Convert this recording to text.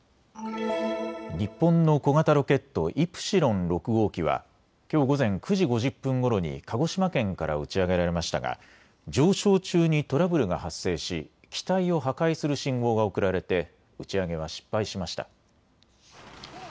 日本の小型ロケット、イプシロン６号機はきょう午前９時５０分ごろに鹿児島県から打ち上げられましたが上昇中にトラブルが発生し機体を破壊する信号が送られて打ち上げは失敗しました。